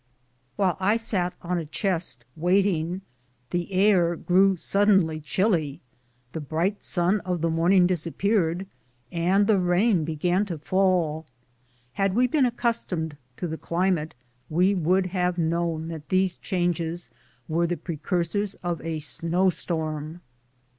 While I sat on a chest wait ing, the air grew suddenly chilly, the bright sun of the morning disappeared, and the rain began to fall. Had we been accustomed to the climate we would have known that these changes were the precursors of a snow storm.